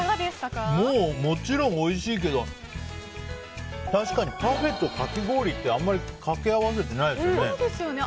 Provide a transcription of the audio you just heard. もう、もちろんおいしいけど確かにパフェとかき氷ってあんまりかけ合わせてないですね。